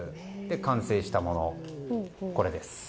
完成したものが、こちらです。